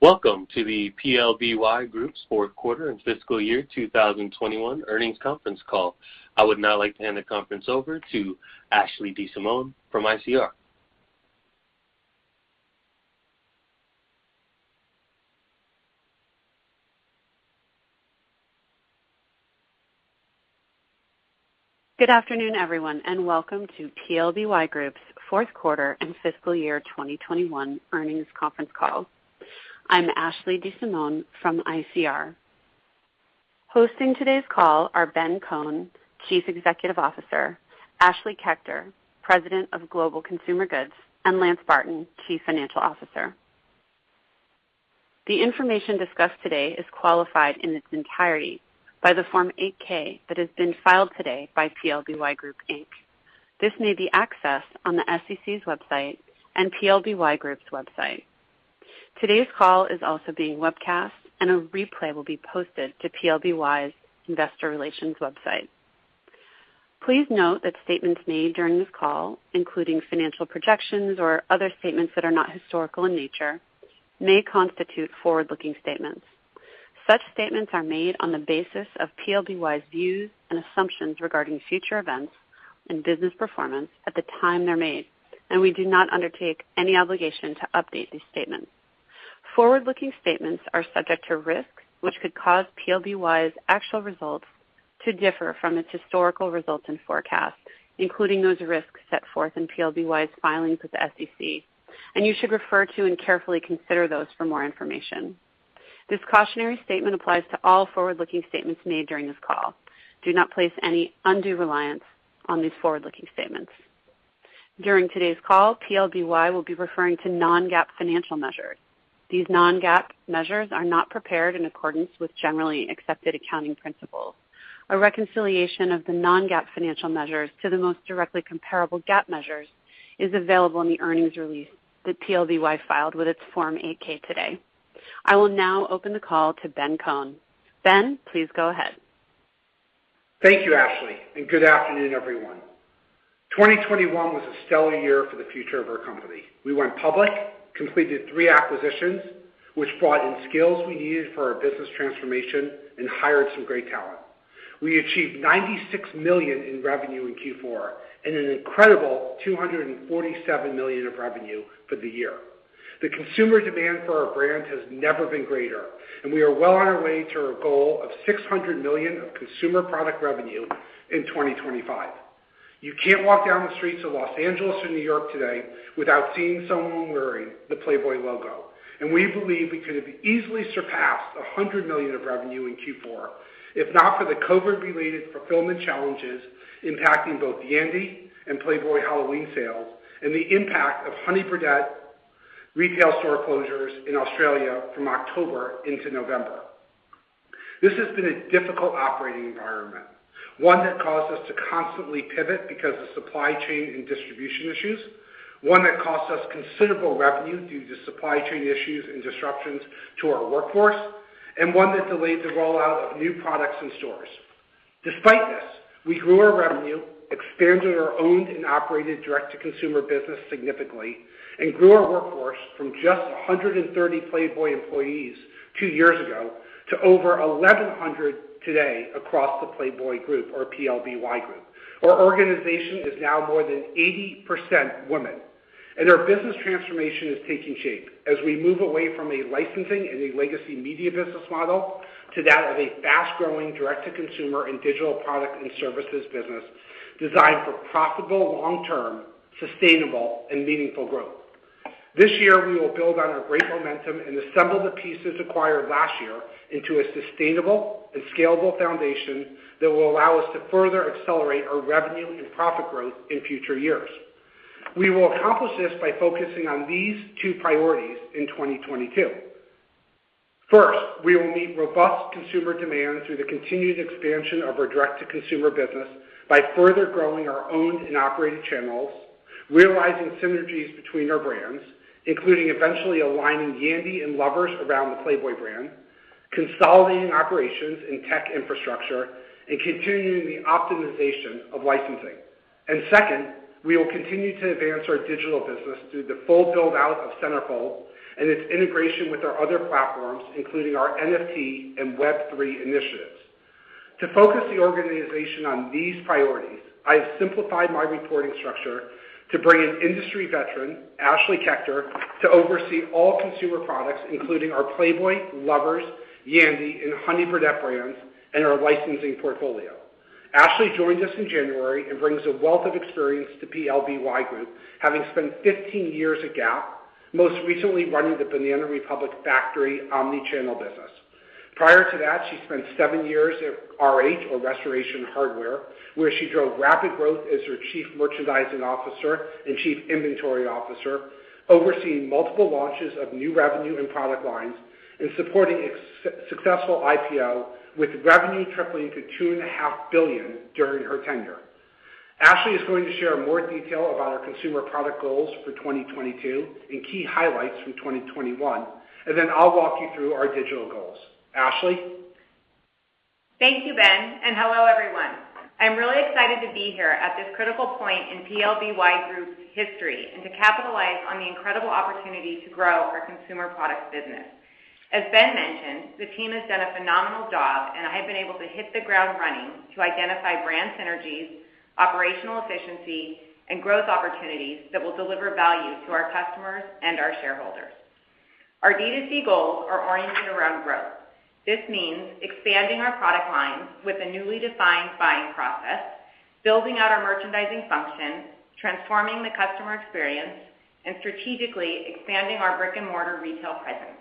Welcome to the PLBY Group's fourth quarter and fiscal year 2021 earnings conference call. I would now like to hand the conference over to Ashley DeSimone from ICR. Good afternoon, everyone, and welcome to PLBY Group's fourth quarter and fiscal year 2021 earnings conference call. I'm Ashley DeSimone from ICR. Hosting today's call are Ben Kohn, Chief Executive Officer, Ashley Kechter, President of Global Consumer Goods, and Lance Barton, Chief Financial Officer. The information discussed today is qualified in its entirety by the Form 8-K that has been filed today by PLBY Group, Inc. This may be accessed on the SEC's website and PLBY Group's website. Today's call is also being webcast, and a replay will be posted to PLBY's investor relations website. Please note that statements made during this call, including financial projections or other statements that are not historical in nature, may constitute forward-looking statements. Such statements are made on the basis of PLBY's views and assumptions regarding future events and business performance at the time they're made, and we do not undertake any obligation to update these statements. Forward-looking statements are subject to risks which could cause PLBY's actual results to differ from its historical results and forecasts, including those risks set forth in PLBY's filings with the SEC, and you should refer to and carefully consider those for more information. This cautionary statement applies to all forward-looking statements made during this call. Do not place any undue reliance on these forward-looking statements. During today's call, PLBY will be referring to non-GAAP financial measures. These non-GAAP measures are not prepared in accordance with generally accepted accounting principles. A reconciliation of the non-GAAP financial measures to the most directly comparable GAAP measures is available in the earnings release that PLBY filed with its Form 8-A today. I will now open the call to Ben Kohn. Ben, please go ahead. Thank you, Ashley, and good afternoon, everyone. 2021 was a stellar year for the future of our company. We went public, completed three acquisitions, which brought in skills we needed for our business transformation and hired some great talent. We achieved $96 million in revenue in Q4 and an incredible $247 million of revenue for the year. The consumer demand for our brand has never been greater, and we are well on our way to our goal of $600 million of consumer product revenue in 2025. You can't walk down the streets of Los Angeles or New York today without seeing someone wearing the Playboy logo. We believe we could have easily surpassed $100 million of revenue in Q4 if not for the COVID-related fulfillment challenges impacting both Yandy and Playboy Halloween sales and the impact of Honey Birdette retail store closures in Australia from October into November. This has been a difficult operating environment, one that caused us to constantly pivot because of supply chain and distribution issues, one that cost us considerable revenue due to supply chain issues and disruptions to our workforce, and one that delayed the rollout of new products and stores. Despite this, we grew our revenue, expanded our owned and operated direct-to-consumer business significantly, and grew our workforce from just 130 Playboy employees two years ago to over 1,100 today across the Playboy group or PLBY Group. Our organization is now more than 80% women, and our business transformation is taking shape as we move away from a licensing and a legacy media business model to that of a fast-growing direct-to-consumer and digital product and services business designed for profitable, long-term, sustainable, and meaningful growth. This year, we will build on our great momentum and assemble the pieces acquired last year into a sustainable and scalable foundation that will allow us to further accelerate our revenue and profit growth in future years. We will accomplish this by focusing on these two priorities in 2022. First, we will meet robust consumer demand through the continued expansion of our direct-to-consumer business by further growing our owned and operated channels, realizing synergies between our brands, including eventually aligning Yandy and Lovers around the Playboy brand, consolidating operations and tech infrastructure, and continuing the optimization of licensing. Second, we will continue to advance our digital business through the full build-out of Centerfold and its integration with our other platforms, including our NFT and Web3 initiatives. To focus the organization on these priorities, I have simplified my reporting structure to bring in industry veteran Ashley Kechter to oversee all consumer products, including our Playboy, Lovers, Yandy, and Honey Birdette brands and our licensing portfolio. Ashley joins us in January and brings a wealth of experience to PLBY Group, having spent 15 years at Gap, most recently running the Banana Republic Factory omnichannel business. Prior to that, she spent seven years at RH or Restoration Hardware, where she drove rapid growth as their chief merchandising officer and chief inventory officer, overseeing multiple launches of new revenue and product lines and supporting a successful IPO, with revenue tripling to $2.5 billion during her tenure. Ashley is going to share more detail about our consumer product goals for 2022 and key highlights from 2021, and then I'll walk you through our digital goals. Ashley? Thank you, Ben, and hello everyone. I'm really excited to be here at this critical point in PLBY Group's history, and to capitalize on the incredible opportunity to grow our consumer products business. As Ben mentioned, the team has done a phenomenal job, and I have been able to hit the ground running to identify brand synergies, operational efficiency, and growth opportunities that will deliver value to our customers and our shareholders. Our D2C goals are oriented around growth. This means expanding our product lines with a newly defined buying process, building out our merchandising function, transforming the customer experience, and strategically expanding our brick-and-mortar retail presence.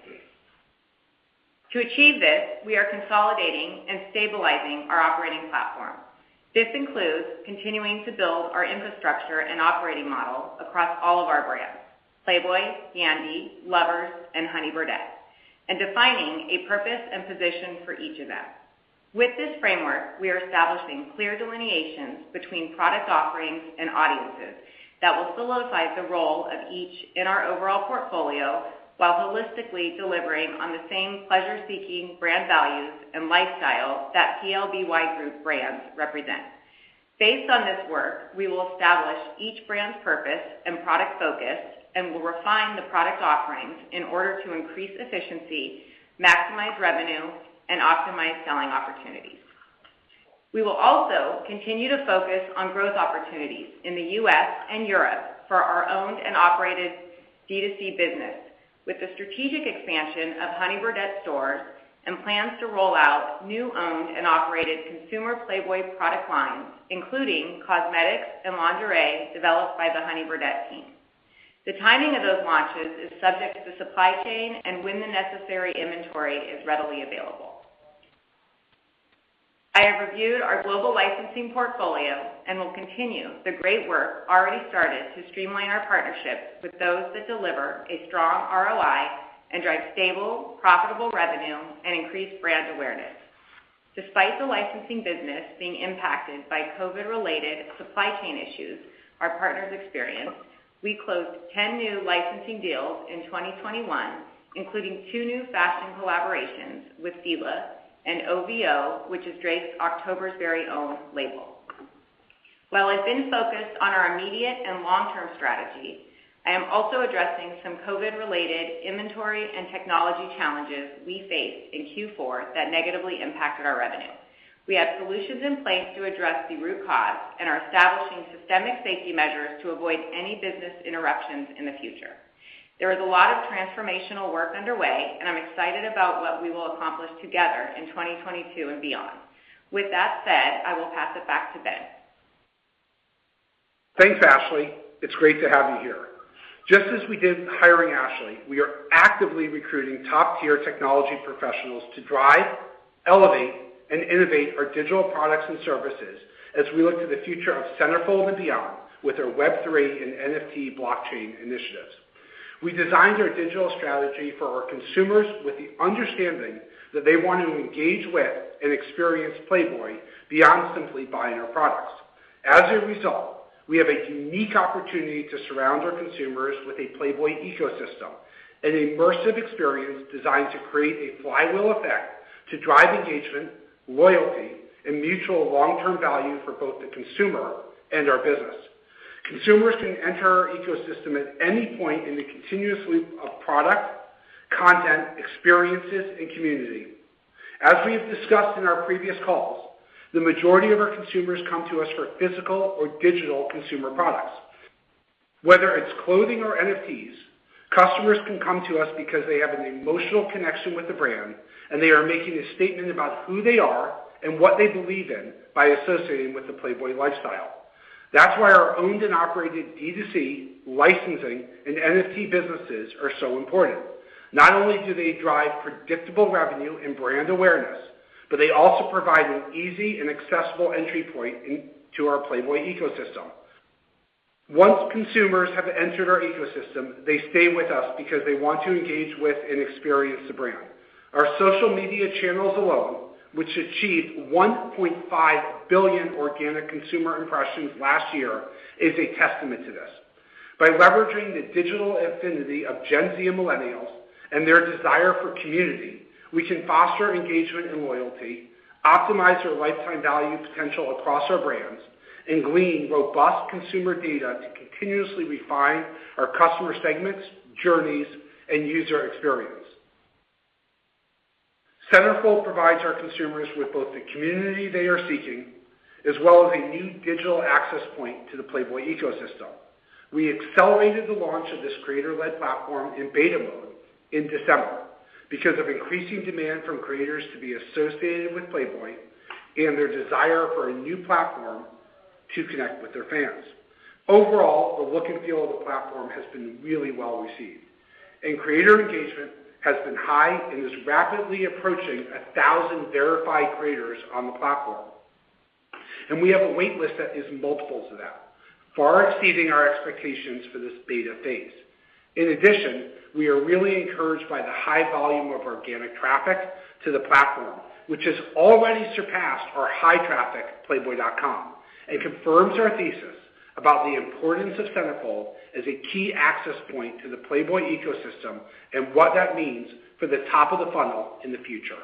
To achieve this, we are consolidating and stabilizing our operating platform. This includes continuing to build our infrastructure and operating model across all of our brands, Playboy, Yandy, Lovers, and Honey Birdette, and defining a purpose and position for each of them. With this framework, we are establishing clear delineations between product offerings and audiences that will solidify the role of each in our overall portfolio while holistically delivering on the same pleasure-seeking brand values and lifestyle that PLBY Group brands represent. Based on this work, we will establish each brand's purpose and product focus, and we'll refine the product offerings in order to increase efficiency, maximize revenue, and optimize selling opportunities. We will also continue to focus on growth opportunities in the U.S. and Europe for our owned and operated D2C business with the strategic expansion of Honey Birdette stores and plans to roll out new owned and operated consumer Playboy product lines, including cosmetics and lingerie developed by the Honey Birdette team. The timing of those launches is subject to supply chain and when the necessary inventory is readily available. I have reviewed our global licensing portfolio and will continue the great work already started to streamline our partnerships with those that deliver a strong ROI and drive stable, profitable revenue and increase brand awareness. Despite the licensing business being impacted by COVID-related supply chain issues our partners experienced, we closed 10 new licensing deals in 2021, including two new fashion collaborations with FILA and OVO, which is Drake's October's Very Own label. While I've been focused on our immediate and long-term strategy, I am also addressing some COVID-related inventory and technology challenges we faced in Q4 that negatively impacted our revenue. We have solutions in place to address the root cause and are establishing systemic safety measures to avoid any business interruptions in the future. There is a lot of transformational work underway, and I'm excited about what we will accomplish together in 2022 and beyond. With that said, I will pass it back to Ben. Thanks, Ashley. It's great to have you here. Just as we did in hiring Ashley, we are actively recruiting top-tier technology professionals to drive, elevate, and innovate our digital products and services as we look to the future of Centerfold and beyond with our Web3 and NFT blockchain initiatives. We designed our digital strategy for our consumers with the understanding that they want to engage with and experience Playboy beyond simply buying our products. As a result, we have a unique opportunity to surround our consumers with a Playboy ecosystem, an immersive experience designed to create a flywheel effect to drive engagement, loyalty, and mutual long-term value for both the consumer and our business. Consumers can enter our ecosystem at any point in the continuous loop of product, content, experiences, and community. As we have discussed in our previous calls, the majority of our consumers come to us for physical or digital consumer products. Whether it's clothing or NFTs, customers can come to us because they have an emotional connection with the brand, and they are making a statement about who they are and what they believe in by associating with the Playboy lifestyle. That's why our owned and operated D2C, licensing, and NFT businesses are so important. Not only do they drive predictable revenue and brand awareness, but they also provide an easy and accessible entry point into our Playboy ecosystem. Once consumers have entered our ecosystem, they stay with us because they want to engage with and experience the brand. Our social media channels alone, which achieved 1.5 billion organic consumer impressions last year, is a testament to this. By leveraging the digital affinity of Gen Z and millennials and their desire for community, we can foster engagement and loyalty, optimize their lifetime value potential across our brands, and glean robust consumer data to continuously refine our customer segments, journeys, and user experience. Centerfold provides our consumers with both the community they are seeking, as well as a new digital access point to the Playboy ecosystem. We accelerated the launch of this creator-led platform in beta mode in December because of increasing demand from creators to be associated with Playboy and their desire for a new platform to connect with their fans. Overall, the look and feel of the platform has been really well received, and creator engagement has been high and is rapidly approaching 1,000 verified creators on the platform. We have a wait list that is multiples of that, far exceeding our expectations for this beta phase. In addition, we are really encouraged by the high volume of organic traffic to the platform, which has already surpassed our high traffic playboy.com and confirms our thesis about the importance of Centerfold as a key access point to the Playboy ecosystem, and what that means for the top of the funnel in the future.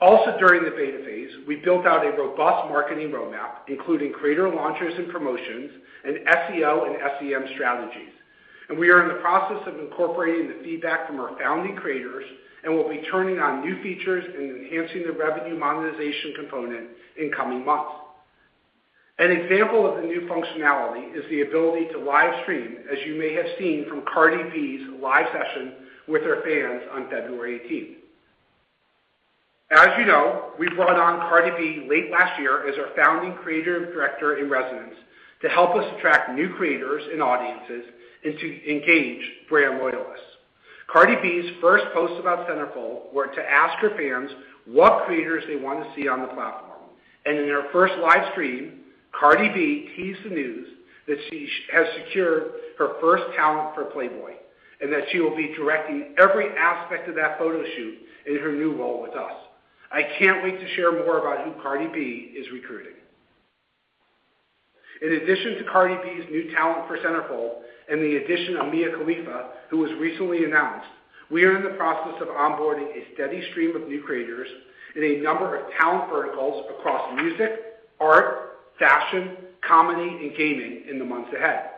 Also, during the beta phase, we built out a robust marketing roadmap, including creator launches and promotions, and SEO and SEM strategies. We are in the process of incorporating the feedback from our founding creators, and we'll be turning on new features and enhancing the revenue monetization component in coming months. An example of the new functionality is the ability to live stream, as you may have seen from Cardi B's live session with her fans on February 18th. As you know, we brought on Cardi B late last year as our founding creative director in residence to help us attract new creators and audiences, and to engage brand loyalists. Cardi B's first posts about Centerfold were to ask her fans what creators they want to see on the platform. In her first live stream, Cardi B teased the news that she has secured her first talent for Playboy, and that she will be directing every aspect of that photo shoot in her new role with us. I can't wait to share more about who Cardi B is recruiting. In addition to Cardi B's new talent for Centerfold and the addition of Mia Khalifa, who was recently announced, we are in the process of onboarding a steady stream of new creators in a number of talent verticals across music, art, fashion, comedy, and gaming in the months ahead.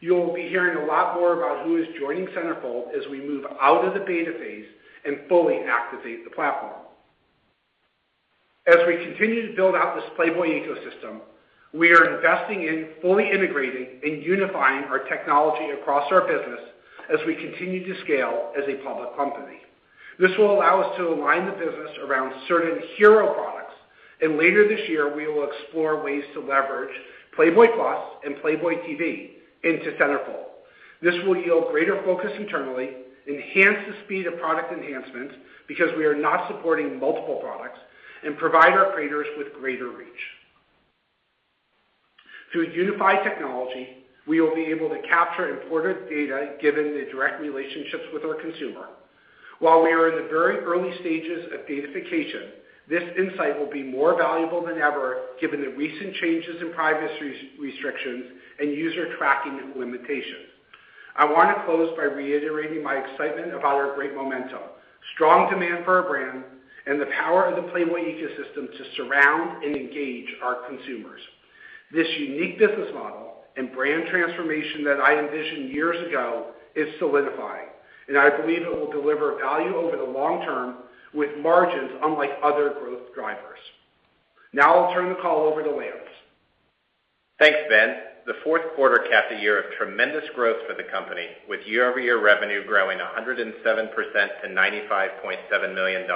You'll be hearing a lot more about who is joining Centerfold as we move out of the beta phase and fully activate the platform. As we continue to build out this Playboy ecosystem, we are investing in fully integrating and unifying our technology across our business as we continue to scale as a public company. This will allow us to align the business around certain hero products, and later this year, we will explore ways to leverage Playboy Plus and Playboy TV into Centerfold. This will yield greater focus internally, enhance the speed of product enhancements because we are not supporting multiple products, and provide our creators with greater reach. Through unified technology, we will be able to capture important data given the direct relationships with our consumer. While we are in the very early stages of datafication, this insight will be more valuable than ever given the recent changes in privacy restrictions and user tracking limitations. I want to close by reiterating my excitement about our great momentum, strong demand for our brand, and the power of the Playboy ecosystem to surround and engage our consumers. This unique business model and brand transformation that I envisioned years ago is solidifying, and I believe it will deliver value over the long term with margins unlike other growth drivers. Now I'll turn the call over to Lance. Thanks, Ben. The fourth quarter capped a year of tremendous growth for the company, with year-over-year revenue growing 107% to $95.7 million,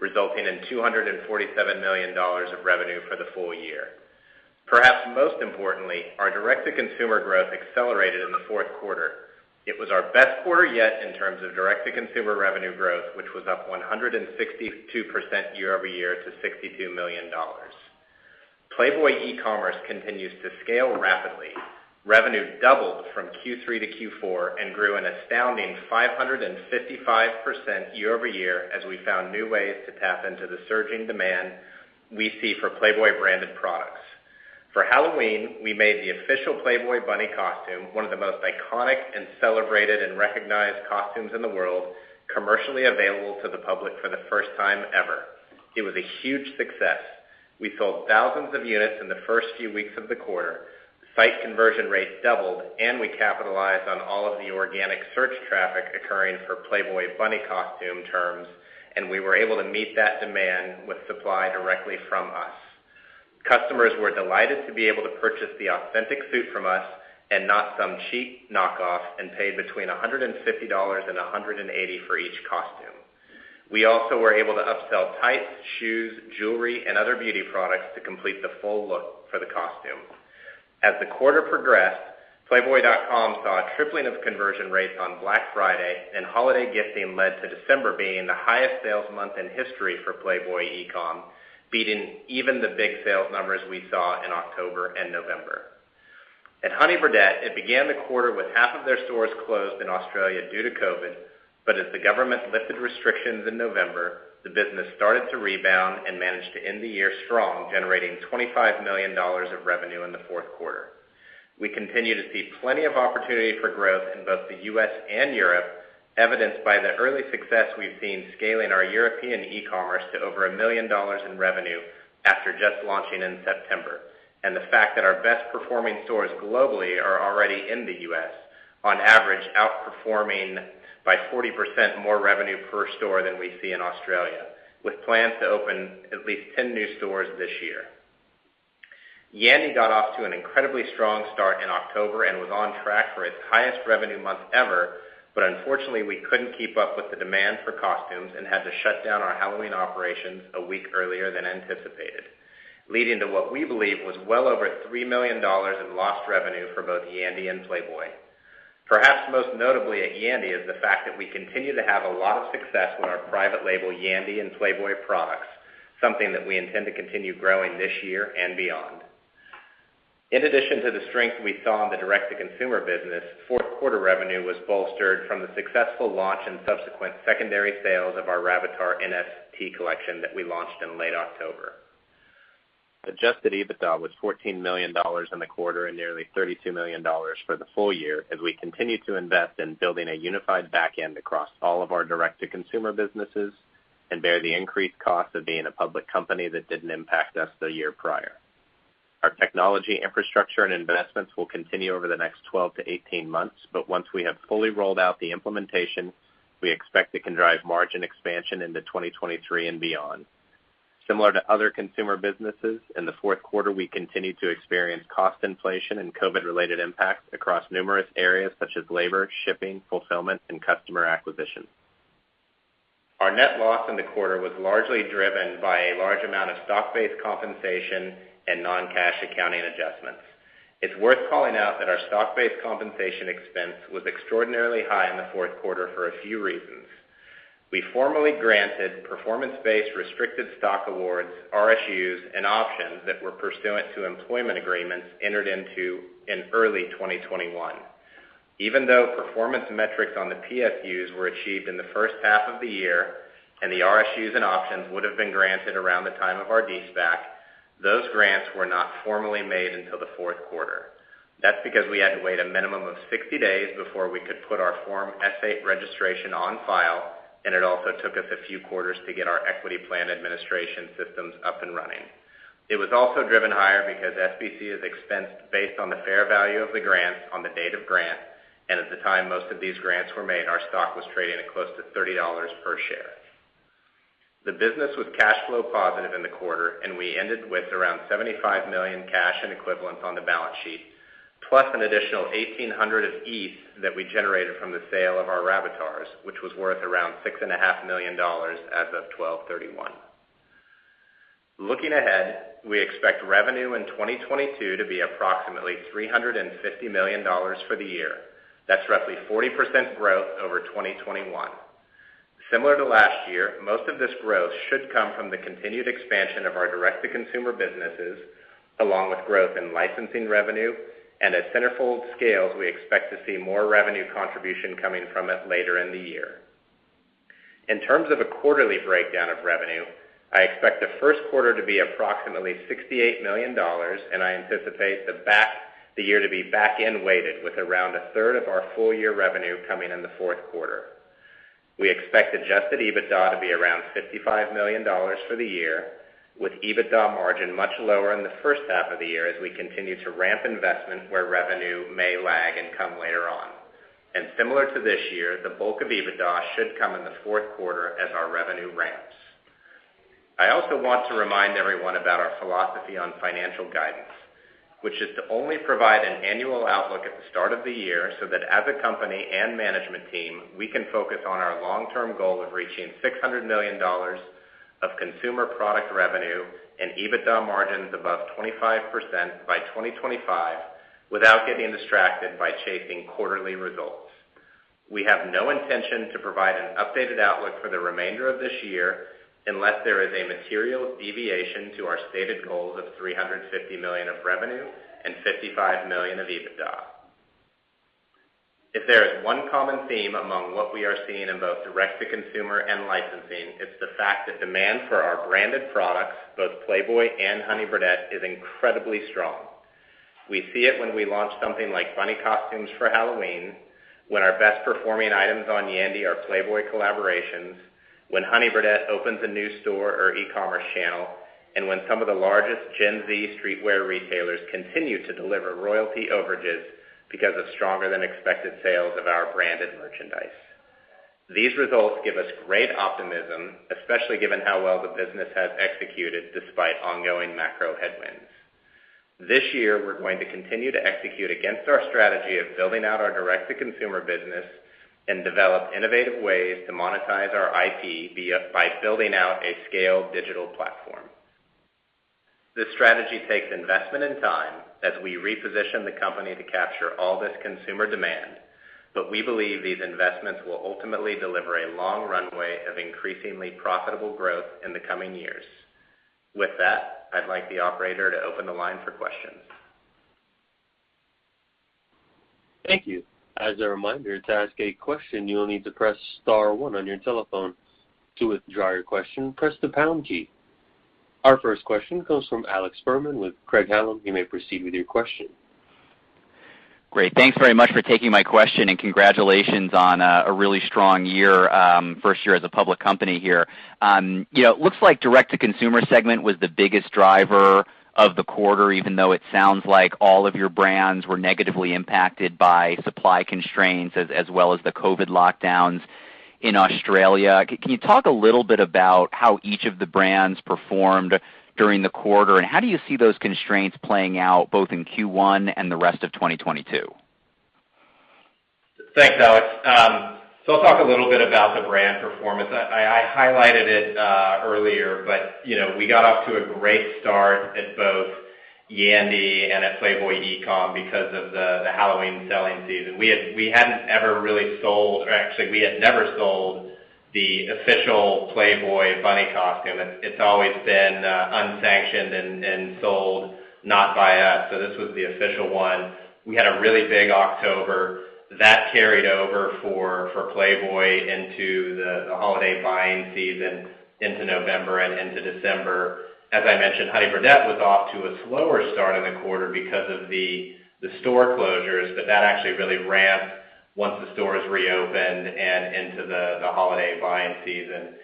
resulting in $247 million of revenue for the full year. Perhaps most importantly, our direct-to-consumer growth accelerated in the fourth quarter. It was our best quarter yet in terms of direct-to-consumer revenue growth, which was up 162% year-over-year to $62 million. Playboy e-commerce continues to scale rapidly. Revenue doubled from Q3 to Q4 and grew an astounding 555% year over year as we found new ways to tap into the surging demand we see for Playboy branded products. For Halloween, we made the official Playboy Bunny costume, one of the most iconic and celebrated and recognized costumes in the world, commercially available to the public for the first time ever. It was a huge success. We sold thousands of units in the first few weeks of the quarter. Site conversion rates doubled, and we capitalized on all of the organic search traffic occurring for Playboy Bunny costume terms, and we were able to meet that demand with supply directly from us. Customers were delighted to be able to purchase the authentic suit from us and not some cheap knockoff, and paid between $150 and $180 for each costume. We also were able to upsell tights, shoes, jewelry, and other beauty products to complete the full look for the costume. As the quarter progressed, playboy.com saw a tripling of conversion rates on Black Friday, and holiday gifting led to December being the highest sales month in history for Playboy e-com, beating even the big sales numbers we saw in October and November. At Honey Birdette, it began the quarter with half of their stores closed in Australia due to COVID, but as the government lifted restrictions in November, the business started to rebound and managed to end the year strong, generating $25 million of revenue in the fourth quarter. We continue to see plenty of opportunity for growth in both the U.S. and Europe, evidenced by the early success we've seen scaling our European e-commerce to over $1 million in revenue after just launching in September, and the fact that our best performing stores globally are already in the U.S., on average outperforming by 40% more revenue per store than we see in Australia, with plans to open at least 10 new stores this year. Yandy got off to an incredibly strong start in October and was on track for its highest revenue month ever. Unfortunately, we couldn't keep up with the demand for costumes and had to shut down our Halloween operations a week earlier than anticipated, leading to what we believe was well over $3 million in lost revenue for both Yandy and Playboy. Perhaps most notably at Yandy is the fact that we continue to have a lot of success with our private label Yandy and Playboy products, something that we intend to continue growing this year and beyond. In addition to the strength we saw in the direct-to-consumer business, fourth quarter revenue was bolstered from the successful launch and subsequent secondary sales of our Rabbitars NFT collection that we launched in late October. Adjusted EBITDA was $14 million in the quarter and nearly $32 million for the full year as we continue to invest in building a unified back end across all of our direct-to-consumer businesses and bear the increased cost of being a public company that didn't impact us the year prior. Our technology infrastructure and investments will continue over the next 12-18 months, but once we have fully rolled out the implementation, we expect it can drive margin expansion into 2023 and beyond. Similar to other consumer businesses, in the fourth quarter, we continued to experience cost inflation and COVID-related impacts across numerous areas such as labor, shipping, fulfillment, and customer acquisition. Our net loss in the quarter was largely driven by a large amount of stock-based compensation and non-cash accounting adjustments. It's worth calling out that our stock-based compensation expense was extraordinarily high in the fourth quarter for a few reasons. We formally granted performance-based restricted stock awards, RSUs, and options that were pursuant to employment agreements entered into in early 2021. Even though performance metrics on the PSUs were achieved in the first half of the year and the RSUs and options would have been granted around the time of our de-SPAC, those grants were not formally made until the fourth quarter. That's because we had to wait a minimum of 60 days before we could put our Form S-8 registration on file, and it also took us a few quarters to get our equity plan administration systems up and running. It was also driven higher because SBC is expensed based on the fair value of the grants on the date of grant. At the time most of these grants were made, our stock was trading at close to $30 per share. The business was cash flow positive in the quarter, and we ended with around $75 million cash and equivalents on the balance sheet, plus an additional 1,800 ETH that we generated from the sale of our Rabbitars, which was worth around $6.5 million as of 12/31. Looking ahead, we expect revenue in 2022 to be approximately $350 million for the year. That's roughly 40% growth over 2021. Similar to last year, most of this growth should come from the continued expansion of our direct-to-consumer businesses, along with growth in licensing revenue, and as Centerfold scales, we expect to see more revenue contribution coming from it later in the year. In terms of a quarterly breakdown of revenue, I expect the first quarter to be approximately $68 million, and I anticipate the year to be back-end weighted, with around a third of our full year revenue coming in the fourth quarter. We expect adjusted EBITDA to be around $55 million for the year, with EBITDA margin much lower in the first half of the year as we continue to ramp investment where revenue may lag and come later on. Similar to this year, the bulk of EBITDA should come in the fourth quarter as our revenue ramps. I also want to remind everyone about our philosophy on financial guidance, which is to only provide an annual outlook at the start of the year, so that as a company and management team, we can focus on our long-term goal of reaching $600 million of consumer product revenue and EBITDA margins above 25% by 2025 without getting distracted by chasing quarterly results. We have no intention to provide an updated outlook for the remainder of this year unless there is a material deviation to our stated goals of $350 million of revenue and $55 million of EBITDA. If there is one common theme among what we are seeing in both direct-to-consumer and licensing, it's the fact that demand for our branded products, both Playboy and Honey Birdette, is incredibly strong. We see it when we launch something like bunny costumes for Halloween, when our best-performing items on Yandy are Playboy collaborations, when Honey Birdette opens a new store or e-commerce channel, and when some of the largest Gen Z streetwear retailers continue to deliver royalty overages because of stronger than expected sales of our branded merchandise. These results give us great optimism, especially given how well the business has executed despite ongoing macro headwinds. This year, we're going to continue to execute against our strategy of building out our direct-to-consumer business and develop innovative ways to monetize our IP by building out a scaled digital platform. This strategy takes investment and time as we reposition the company to capture all this consumer demand, but we believe these investments will ultimately deliver a long runway of increasingly profitable growth in the coming years. With that, I'd like the operator to open the line for questions. Thank you. As a reminder, to ask a question, you will need to press star one on your telephone. To withdraw your question, press the pound key. Our first question comes from Alex Fuhrman with Craig-Hallum. You may proceed with your question. Great. Thanks very much for taking my question, and congratulations on a really strong year, first year as a public company here. You know, it looks like direct-to-consumer segment was the biggest driver of the quarter, even though it sounds like all of your brands were negatively impacted by supply constraints as well as the COVID lockdowns in Australia. Can you talk a little bit about how each of the brands performed during the quarter, and how do you see those constraints playing out both in Q1 and the rest of 2022? Thanks, Alex. I'll talk a little bit about the brand performance. I highlighted it earlier, but you know, we got off to a great start at both Yandy and at Playboy e-com because of the Halloween selling season. We hadn't ever really sold or actually, we had never sold the official Playboy Bunny costume. It's always been unsanctioned and sold not by us. So this was the official one. We had a really big October. That carried over for Playboy into the holiday buying season into November and into December. As I mentioned, Honey Birdette was off to a slower start in the quarter because of the store closures, but that actually really ramped once the stores reopened and into the holiday buying season.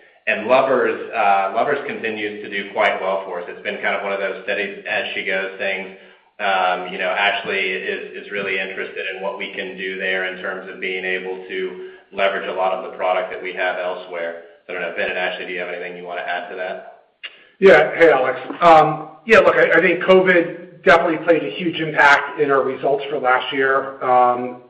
Lovers continues to do quite well for us. It's been kind of one of those steady-as-she-goes things. You know, Ashley is really interested in what we can do there in terms of being able to leverage a lot of the product that we have elsewhere. I don't know, Ben and Ashley, do you have anything you wanna add to that? Hey, Alex. Yeah, look, I think COVID definitely played a huge impact in our results for last year.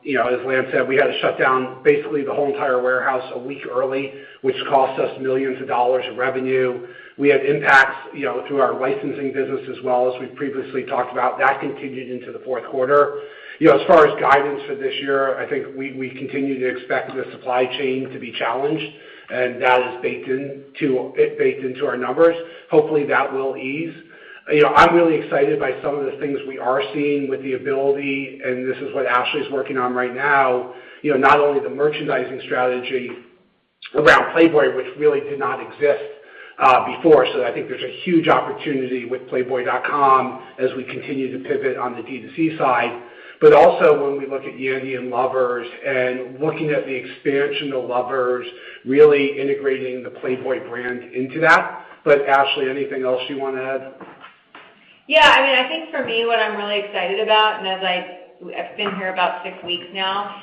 You know, as Lance said, we had to shut down basically the whole entire warehouse a week early, which cost us millions in revenue. We had impacts, you know, through our licensing business as well as we previously talked about. That continued into the fourth quarter. You know, as far as guidance for this year, I think we continue to expect the supply chain to be challenged, and that is baked into our numbers. Hopefully, that will ease. You know, I'm really excited by some of the things we are seeing with the ability, and this is what Ashley's working on right now, you know, not only the merchandising strategy around Playboy, which really did not exist before. I think there's a huge opportunity with playboy.com as we continue to pivot on the D2C side. Also when we look at Yandy and Lovers, and looking at the expansion of Lovers, really integrating the Playboy brand into that. Ashley, anything else you wanna add? Yeah. I mean, I think for me, what I'm really excited about, and as I've been here about six weeks now,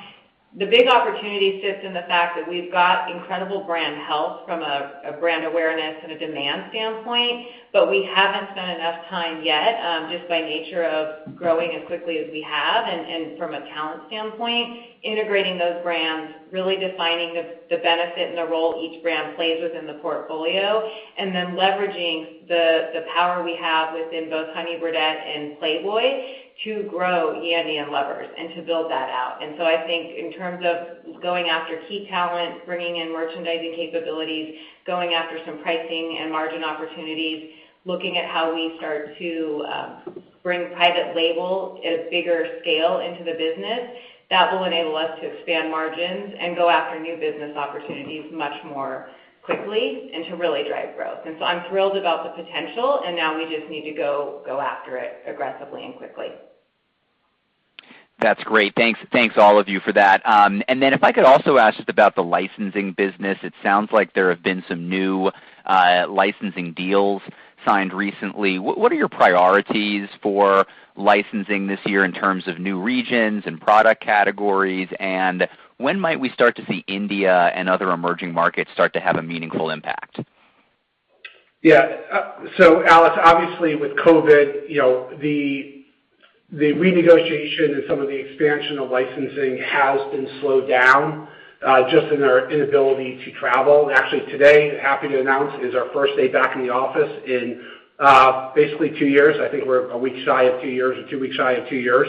the big opportunity sits in the fact that we've got incredible brand health from a brand awareness and a demand standpoint, but we haven't spent enough time yet, just by nature of growing as quickly as we have and from a talent standpoint, integrating those brands, really defining the benefit and the role each brand plays within the portfolio, and then leveraging the power we have within both Honey Birdette and Playboy to grow Yandy and Lovers and to build that out. I think in terms of going after key talent, bringing in merchandising capabilities, going after some pricing and margin opportunities, looking at how we start to bring private label at bigger scale into the business, that will enable us to expand margins and go after new business opportunities much more quickly and to really drive growth. I'm thrilled about the potential, and now we just need to go after it aggressively and quickly. That's great. Thanks, thanks all of you for that. If I could also ask just about the licensing business. It sounds like there have been some new licensing deals signed recently. What are your priorities for licensing this year in terms of new regions and product categories? When might we start to see India and other emerging markets start to have a meaningful impact? Yeah. Alex, obviously with COVID, you know, the renegotiation and some of the expansion of licensing has been slowed down, just in our inability to travel. Actually, today, happy to announce, is our first day back in the office in basically two years. I think we're a week shy of two years or two weeks shy of two years.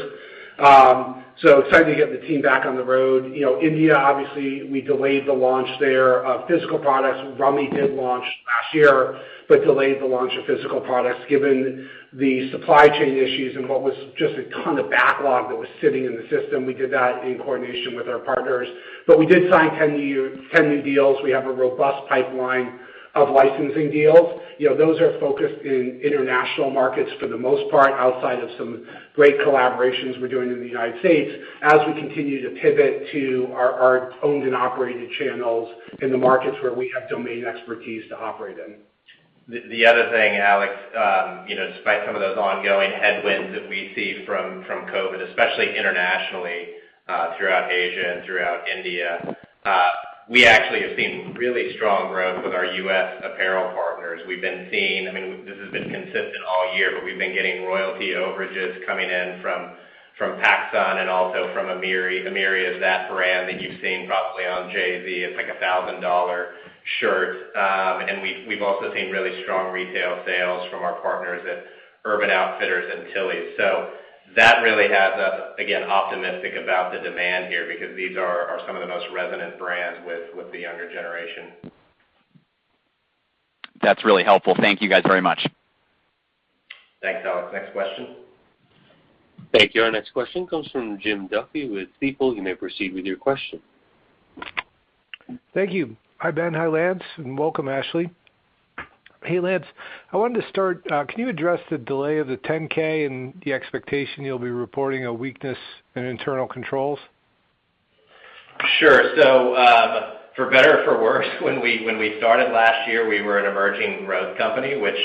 Excited to get the team back on the road. You know, India, obviously, we delayed the launch there of physical products. Rummy did launch last year, but delayed the launch of physical products given the supply chain issues and what was just a ton of backlog that was sitting in the system. We did that in coordination with our partners. We did sign 10 new deals. We have a robust pipeline of licensing deals. You know, those are focused in international markets for the most part, outside of some great collaborations we're doing in the United States, as we continue to pivot to our owned and operated channels in the markets where we have domain expertise to operate in. The other thing, Alex, you know, despite some of those ongoing headwinds that we see from COVID, especially internationally, throughout Asia and throughout India, we actually have seen really strong growth with our U.S. apparel partners. We've been seeing. I mean, this has been consistent all year, but we've been getting royalty overages coming in from Pacsun and also from AMIRI. AMIRI is that brand that you've seen probably on Jay-Z. It's like $1,000 shirt. We've also seen really strong retail sales from our partners at Urban Outfitters and Tillys. That really has us again optimistic about the demand here because these are some of the most resonant brands with the younger generation. That's really helpful. Thank you, guys, very much. Thanks, Alex. Next question. Thank you. Our next question comes from Jim Duffy with Stifel. You may proceed with your question. Thank you. Hi, Ben. Hi, Lance, and welcome, Ashley. Hey, Lance. I wanted to start, can you address the delay of the 10-K and the expectation you'll be reporting a weakness in internal controls? Sure. For better or for worse, when we started last year, we were an emerging growth company, which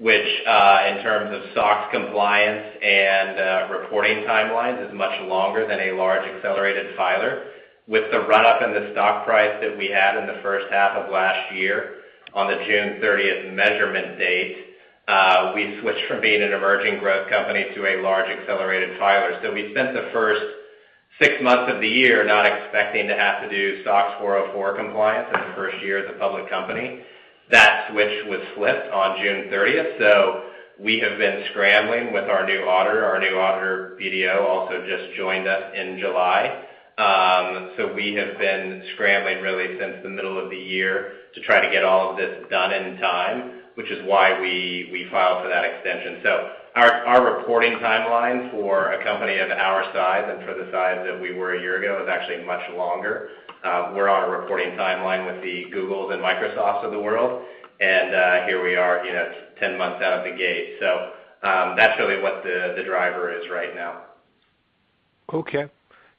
in terms of SOX compliance and reporting timelines is much longer than a large accelerated filer. With the run-up in the stock price that we had in the first half of last year, on the June 30th measurement date, we switched from being an emerging growth company to a large accelerated filer. We spent the first six months of the year not expecting to have to do SOX 404 compliance in the first year as a public company. That switch was flipped on June 30th, so we have been scrambling with our new auditor. Our new auditor, BDO, also just joined us in July. We have been scrambling really since the middle of the year to try to get all of this done in time, which is why we filed for that extension. Our reporting timeline for a company of our size and for the size that we were a year ago is actually much longer. We're on a reporting timeline with the Googles and Microsofts of the world, and here we are, you know, 10 months out of the gate. That's really what the driver is right now. Okay.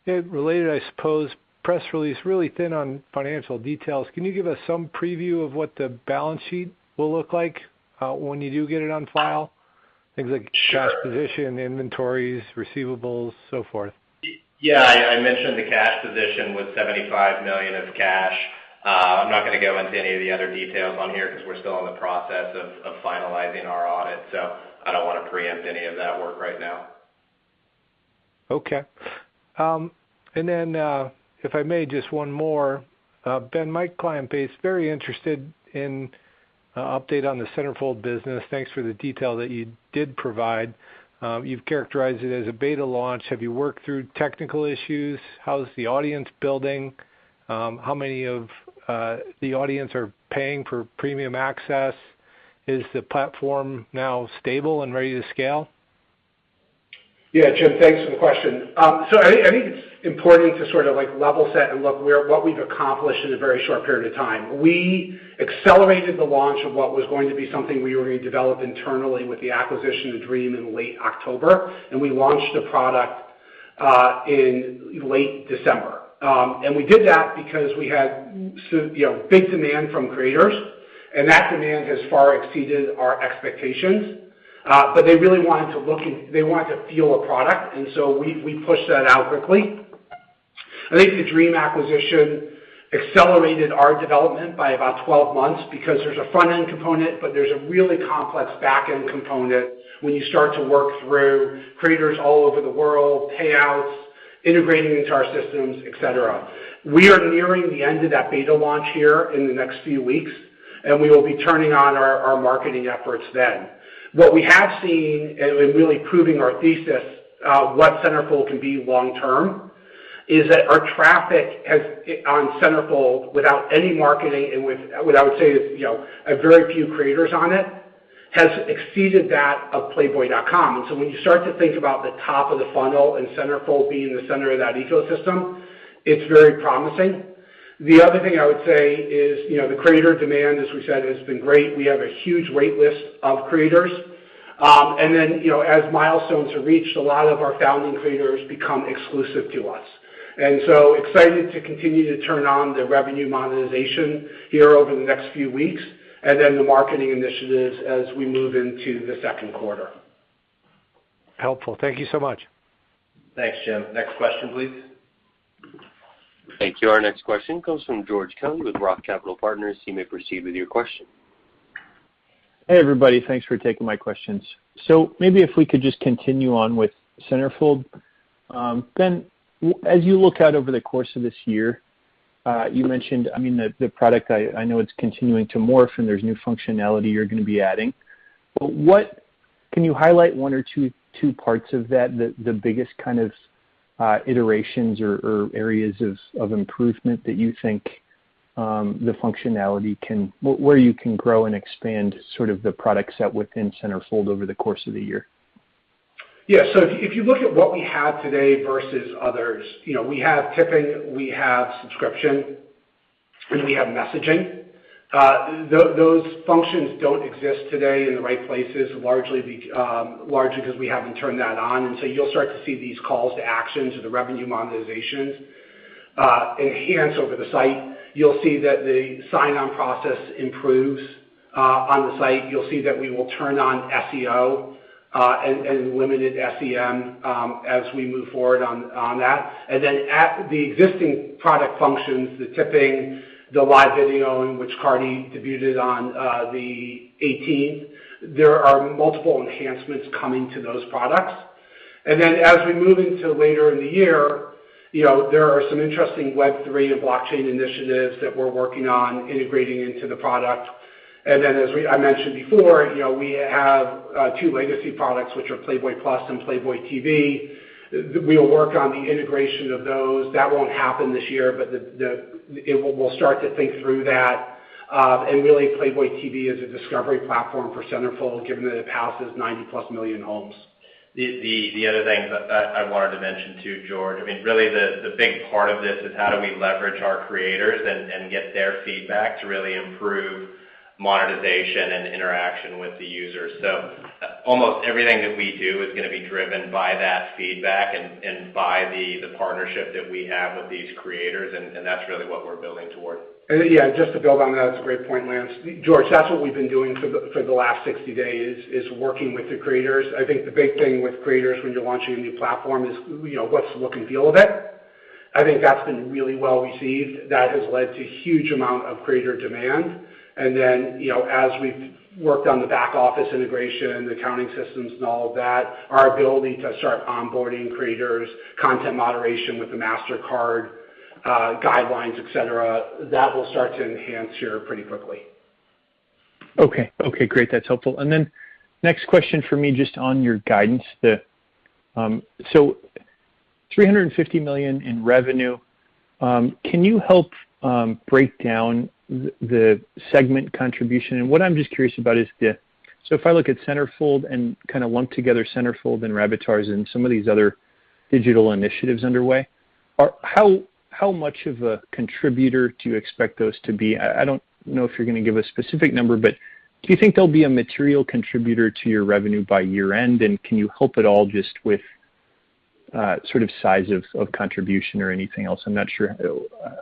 Yeah, related, I suppose, press release really thin on financial details. Can you give us some preview of what the balance sheet will look like, when you do get it on file? Things like cash position, inventories, receivables, so forth. Yeah. I mentioned the cash position with $75 million of cash. I'm not gonna go into any of the other details on here 'cause we're still in the process of finalizing our audit, so I don't wanna preempt any of that work right now. If I may, just one more. Ben, my client base very interested in update on the Centerfold business. Thanks for the detail that you did provide. You've characterized it as a beta launch. Have you worked through technical issues? How's the audience building? How many of the audience are paying for premium access? Is the platform now stable and ready to scale? Yeah. Jim, thanks for the question. I think it's important to sort of like level set and look what we've accomplished in a very short period of time. We accelerated the launch of what was going to be something we were gonna develop internally with the acquisition of Dream in late October, and we launched the product in late December. We did that because we had, you know, big demand from creators, and that demand has far exceeded our expectations. They really wanted to look and they wanted to feel a product, and so we pushed that out quickly. I think the Dream acquisition accelerated our development by about 12 months because there's a front-end component, but there's a really complex back-end component when you start to work through creators all over the world, payouts, integrating into our systems, et cetera. We are nearing the end of that beta launch here in the next few weeks, and we will be turning on our marketing efforts then. What we have seen, and really proving our thesis, what Centerfold can be long term, is that our traffic has on Centerfold, without any marketing and with what I would say is, you know, a very few creators on it, has exceeded that of playboy.com. When you start to think about the top of the funnel and Centerfold being the center of that ecosystem, it's very promising. The other thing I would say is, you know, the creator demand, as we said, has been great. We have a huge wait list of creators. You know, as milestones are reached, a lot of our founding creators become exclusive to us. We're excited to continue to turn on the revenue monetization here over the next few weeks, and then the marketing initiatives as we move into the second quarter. Helpful. Thank you so much. Thanks, Jim. Next question, please. Thank you. Our next question comes from George Kelly with Roth Capital Partners. You may proceed with your question. Hey, everybody. Thanks for taking my questions. Maybe if we could just continue on with Centerfold. Ben, as you look out over the course of this year, you mentioned the product I know it's continuing to morph, and there's new functionality you're gonna be adding. What can you highlight one or two parts of that, the biggest kind of iterations or areas of improvement that you think the functionality where you can grow and expand sort of the product set within Centerfold over the course of the year? Yeah. If you look at what we have today versus others, you know, we have tipping, we have subscription, and we have messaging. Those functions don't exist today in the right places, largely because we haven't turned that on. You'll start to see these calls to action, to the revenue monetizations, enhancements over the site. You'll see that the sign-on process improves on the site. You'll see that we will turn on SEO and limited SEM as we move forward on that. At the existing product functions, the tipping, the live video in which Cardi B debuted on the 18th, there are multiple enhancements coming to those products. As we move into later in the year, you know, there are some interesting Web3 and blockchain initiatives that we're working on integrating into the product. As I mentioned before, you know, we have two legacy products, which are Playboy Plus and Playboy TV. We'll work on the integration of those. That won't happen this year, but we'll start to think through that. Really, Playboy TV is a discovery platform for Centerfold, given that it passes 90,000,000+ homes. The other thing that I wanted to mention too, George, I mean, really the big part of this is how do we leverage our creators and get their feedback to really improve monetization and interaction with the users. Almost everything that we do is gonna be driven by that feedback and by the partnership that we have with these creators, and that's really what we're building toward. Yeah, just to build on that, it's a great point, Lance. George, that's what we've been doing for the last 60 days, is working with the creators. I think the big thing with creators when you're launching a new platform is, you know, what's the look and feel of it. I think that's been really well received. That has led to huge amount of creator demand. And then, you know, as we've worked on the back office integration, the accounting systems and all of that, our ability to start onboarding creators, content moderation with the Mastercard guidelines, et cetera, that will start to enhance here pretty quickly. Okay. Okay, great. That's helpful. Next question for me, just on your guidance. So $350 million in revenue, can you help break down the segment contribution? What I'm just curious about is, so if I look at Centerfold and kind of lump together Centerfold and Rabbitars and some of these other digital initiatives underway, how much of a contributor do you expect those to be? I don't know if you're gonna give a specific number, but do you think they'll be a material contributor to your revenue by year-end? Can you help at all just with sort of size of contribution or anything else? I'm not sure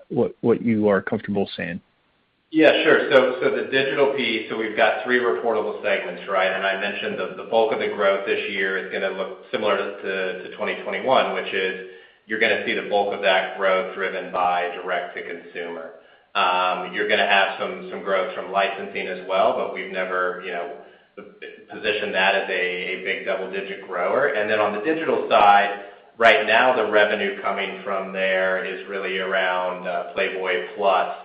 what you are comfortable saying. Yeah, sure. So the digital piece, so we've got three reportable segments, right? I mentioned the bulk of the growth this year is gonna look similar to 2021, which is you're gonna see the bulk of that growth driven by direct-to-consumer. You're gonna have some growth from licensing as well, but we've never, you know, positioned that as a big double-digit grower. Then on the digital side, right now, the revenue coming from there is really around Playboy Plus.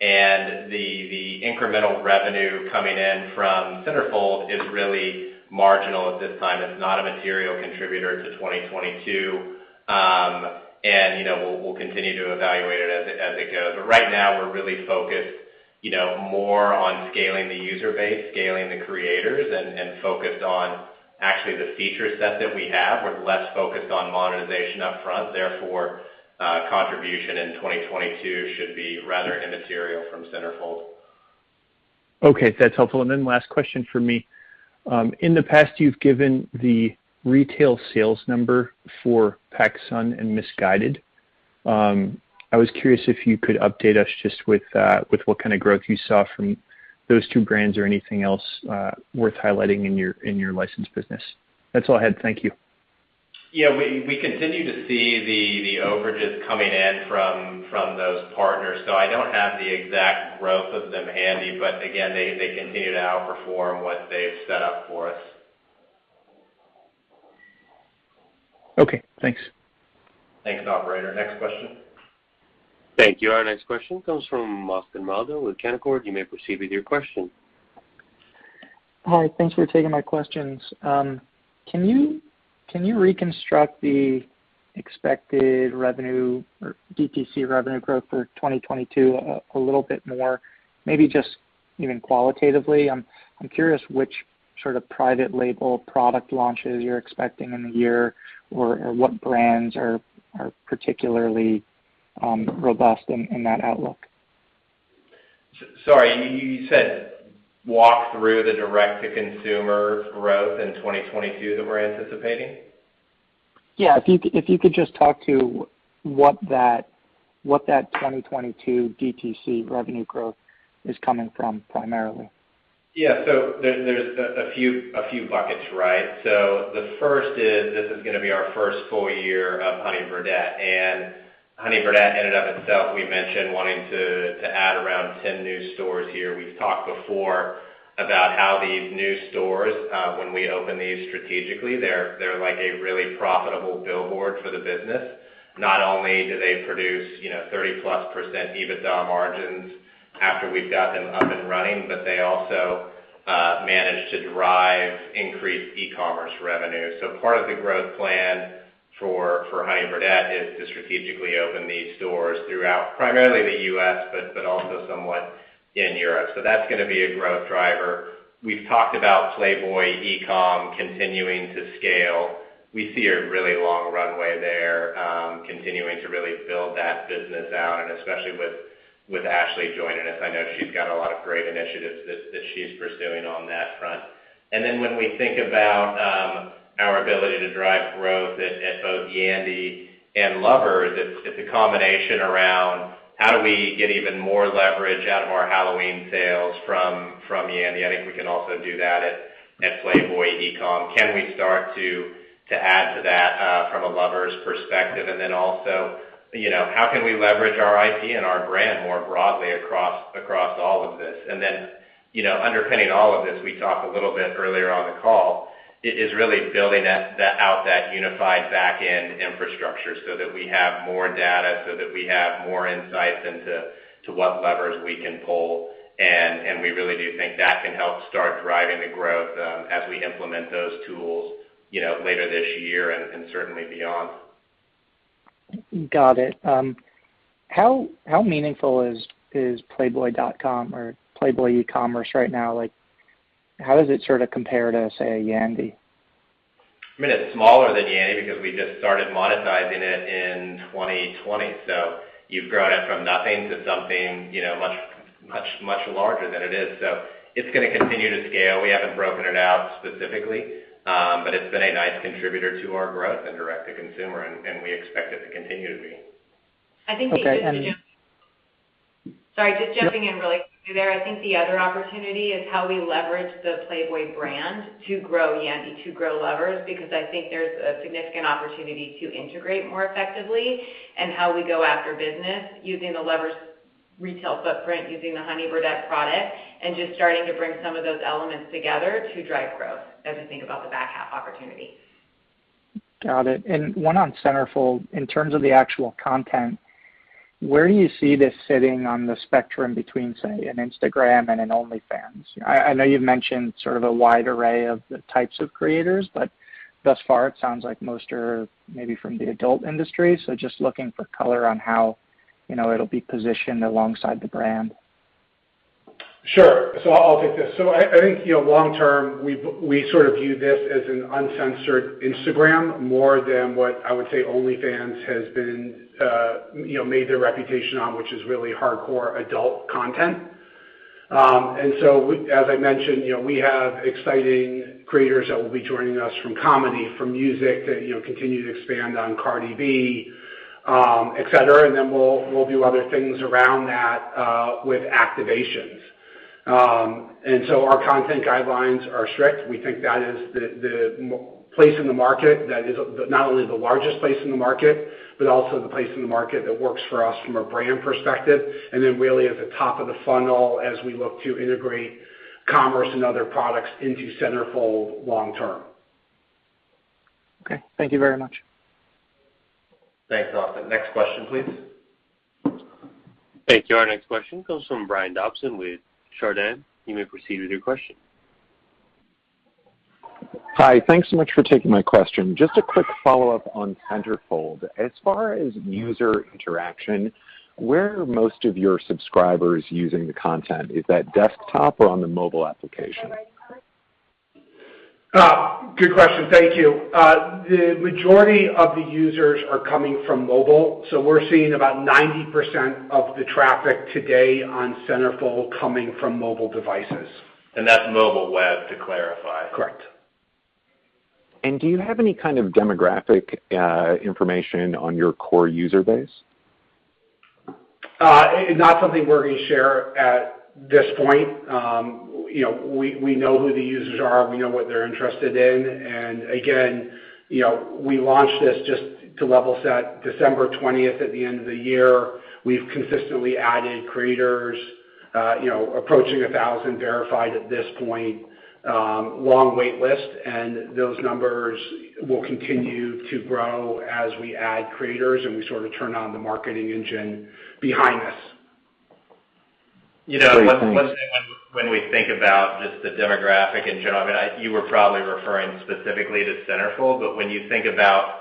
The incremental revenue coming in from Centerfold is really marginal at this time. It's not a material contributor to 2022. You know, we'll continue to evaluate it as it goes. Right now we're really focused, you know, more on scaling the user base, scaling the creators, and focused on actually the feature set that we have. We're less focused on monetization upfront, therefore, contribution in 2022 should be rather immaterial from Centerfold. Okay, that's helpful. Last question from me. In the past, you've given the retail sales number for Pacsun and Missguided. I was curious if you could update us just with what kind of growth you saw from those two brands or anything else worth highlighting in your licensed business. That's all I had. Thank you. Yeah. We continue to see the overages coming in from those partners. I don't have the exact growth of them handy, but again, they continue to outperform what they've set up for us. Okay, thanks. Thanks, operator. Next question. Thank you. Our next question comes from Austin Moldow with Canaccord. You may proceed with your question. Hi. Thanks for taking my questions. Can you reconstruct the expected revenue or DTC revenue growth for 2022 a little bit more, maybe just even qualitatively? I'm curious which sort of private label product launches you're expecting in the year or what brands are particularly robust in that outlook. Sorry, you said walk through the direct-to-consumer growth in 2022 that we're anticipating? Yeah. If you could just talk to what that 2022 D2C revenue growth is coming from primarily. There's a few buckets, right? The first is this is gonna be our first full year of Honey Birdette, and Honey Birdette ended up itself. We mentioned wanting to add around 10 new stores here. We've talked before about how these new stores, when we open these strategically, they're like a really profitable billboard for the business. Not only do they produce, you know, 30+% EBITDA margins after we've got them up and running, but they also manage to drive increased e-commerce revenue. Part of the growth plan for Honey Birdette is to strategically open these stores throughout primarily the U.S., but also somewhat in Europe. That's gonna be a growth driver. We've talked about Playboy e-com continuing to scale. We see a really long runway there, continuing to really build that business out, and especially with Ashley joining us. I know she's got a lot of great initiatives that she's pursuing on that front. When we think about our ability to drive growth at both Yandy and Lovers, it's a combination around how do we get even more leverage out of our Halloween sales from Yandy? I think we can also do that at Playboy e-com. Can we start to add to that from a Lovers perspective? You know, how can we leverage our IP and our brand more broadly across all of this? You know, underpinning all of this, we talked a little bit earlier on the call, is really building out that unified backend infrastructure so that we have more data, so that we have more insights into what levers we can pull. We really do think that can help start driving the growth as we implement those tools, you know, later this year and certainly beyond. Got it. How meaningful is playboy.com or Playboy e-commerce right now? Like, how does it sort of compare to, say, a Yandy? I mean, it's smaller than Yandy because we just started monetizing it in 2020. You've grown it from nothing to something, you know, much, much, much larger than it is. It's gonna continue to scale. We haven't broken it out specifically, but it's been a nice contributor to our growth in direct-to-consumer, and we expect it to continue to be. Okay. Sorry, just jumping in really quickly there. I think the other opportunity is how we leverage the Playboy brand to grow Yandy, to grow Lovers, because I think there's a significant opportunity to integrate more effectively in how we go after business using the Lovers retail footprint, using the Honey Birdette product, and just starting to bring some of those elements together to drive growth as we think about the back half opportunity. Got it. One on Centerfold. In terms of the actual content, where do you see this sitting on the spectrum between, say, an Instagram and an OnlyFans? I know you've mentioned sort of a wide array of the types of creators, but thus far it sounds like most are maybe from the adult industry. Just looking for color on how, you know, it'll be positioned alongside the brand. Sure. I'll take this. I think, you know, long term we sort of view this as an uncensored Instagram more than what I would say OnlyFans has been, you know, made their reputation on, which is really hardcore adult content. As I mentioned, you know, we have exciting creators that will be joining us from comedy, from music to, you know, continue to expand on Cardi B, et cetera. Then we'll do other things around that, with activations. Our content guidelines are strict. We think that is the place in the market that is not only the largest place in the market, but also the place in the market that works for us from a brand perspective, and then really at the top of the funnel as we look to integrate commerce and other products into Centerfold long term. Okay. Thank you very much. Thanks, Austin. Next question, please. Thank you. Our next question comes from Brian Dobson with Chardan. You may proceed with your question. Hi. Thanks so much for taking my question. Just a quick follow-up on Centerfold. As far as user interaction, where are most of your subscribers using the content? Is that desktop or on the mobile application? Good question. Thank you. The majority of the users are coming from mobile, so we're seeing about 90% of the traffic today on Centerfold coming from mobile devices. That's mobile web, to clarify. Correct. Do you have any kind of demographic information on your core user base? It's not something we're gonna share at this point. You know, we know who the users are, we know what they're interested in, and again, you know, we launched this just to level set December 20th at the end of the year. We've consistently added creators, you know, approaching 1,000 verified at this point, long wait list. Those numbers will continue to grow as we add creators and we sort of turn on the marketing engine behind this. Great. Thanks. You know, let's say when we think about just the demographic in general, I mean, you were probably referring specifically to Centerfold, but when you think about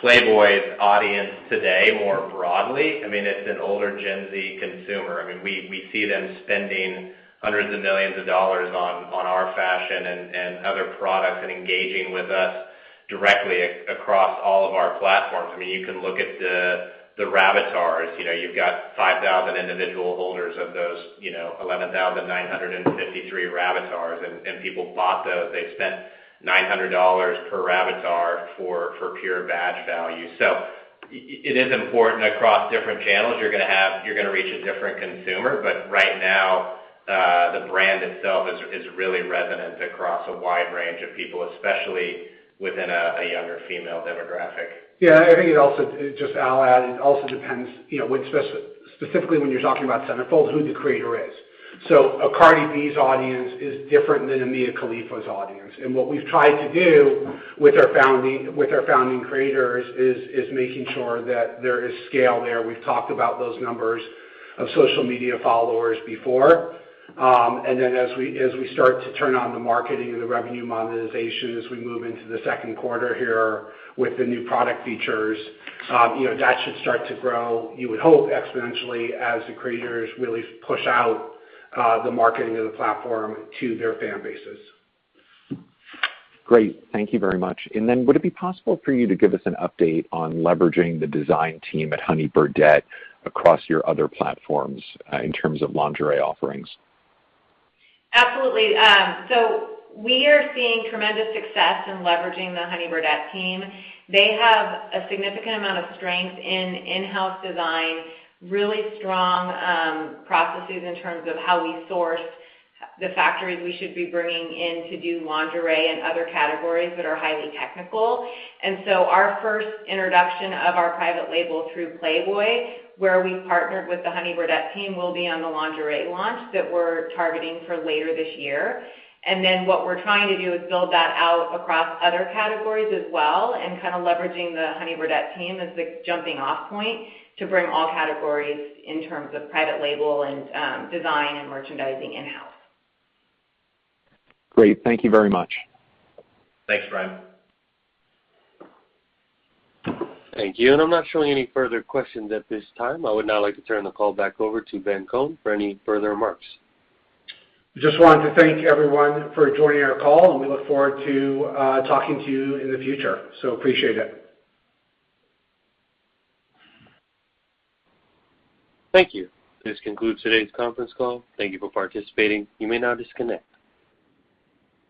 Playboy's audience today more broadly, I mean, it's an older Gen Z consumer. I mean, we see them spending hundreds of millions on our fashion and other products and engaging with us directly across all of our platforms. I mean, you can look at the Rabbitars. You know, you've got 5,000 individual holders of those, you know, 11,953 Rabbitars, and people bought those. They spent $900 per Rabbitar for pure badge value. So it is important across different channels. You're gonna reach a different consumer. Right now, the brand itself is really resonant across a wide range of people, especially within a younger female demographic. Yeah. I think it also depends, you know, when specifically when you're talking about Centerfold, who the creator is. Cardi B's audience is different than Mia Khalifa's audience. What we've tried to do with our founding creators is making sure that there is scale there. We've talked about those numbers of social media followers before. As we start to turn on the marketing and the revenue monetization as we move into the second quarter here with the new product features, you know, that should start to grow, you would hope, exponentially as the creators really push out the marketing of the platform to their fan bases. Great. Thank you very much. Would it be possible for you to give us an update on leveraging the design team at Honey Birdette across your other platforms, in terms of lingerie offerings? Absolutely. We are seeing tremendous success in leveraging the Honey Birdette team. They have a significant amount of strength in in-house design, really strong processes in terms of how we source the factories we should be bringing in to do lingerie and other categories that are highly technical. Our first introduction of our private label through Playboy, where we partnered with the Honey Birdette team, will be on the lingerie launch that we're targeting for later this year. What we're trying to do is build that out across other categories as well and kinda leveraging the Honey Birdette team as the jumping-off point to bring all categories in terms of private label and design and merchandising in-house. Great. Thank you very much. Thanks, Brian. Thank you. I'm not showing any further questions at this time. I would now like to turn the call back over to Ben Kohn for any further remarks. Just wanted to thank everyone for joining our call, and we look forward to talking to you in the future. Appreciate it. Thank you. This concludes today's conference call. Thank you for participating. You may now disconnect.